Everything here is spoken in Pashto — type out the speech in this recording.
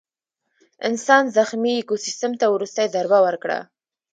انسان زخمي ایکوسیستم ته وروستۍ ضربه ورکړه.